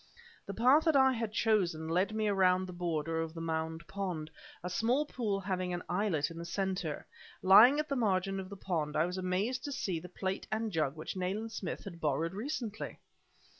The path that I had chosen led me around the border of the Mound Pond a small pool having an islet in the center. Lying at the margin of the pond I was amazed to see the plate and jug which Nayland Smith had borrowed recently!